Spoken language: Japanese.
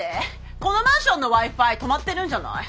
このマンションのＷｉ−Ｆｉ止まってるんじゃない？